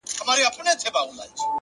مثبت چلند سخت حالات نرموي!